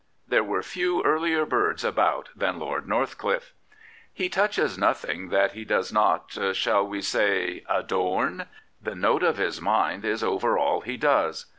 There are few earlier birds about than Lord Northcliffe. He touches nothing that he does not — shall we say? — ^adom. The note of his mind is over all he does.